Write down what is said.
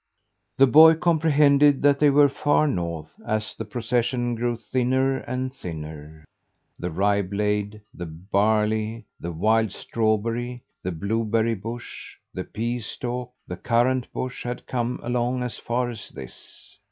The boy comprehended that they were far north, as the procession grew thinner and thinner. The rye blade, the barley, the wild strawberry, the blueberry bush, the pea stalk, the currant bush had come along as far as this.